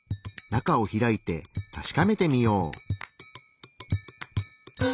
中を開いて確かめてみよう。